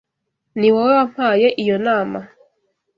Niwowe wampaye iyo nama.